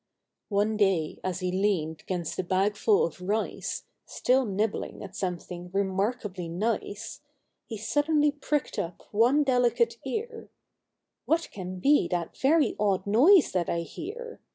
One day as he leaned 'gainst a bag full of rice, Still nibbling at something remarkably nice, He suddenly pricked up one delicate ear: —" What can be that very odd noise that I hear!